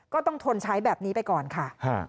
ต้องทนใช้แบบนี้ไปก่อนค่ะ